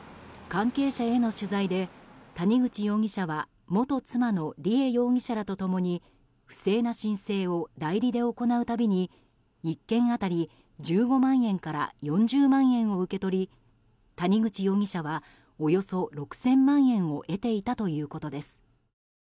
関係者への取材で谷口容疑者は元妻の梨恵容疑者らと共に不正な申請を代理で行う度に１件当たり１５万円から４０万円を受け取り谷口容疑者はおよそ６０００万円を得ていたということです。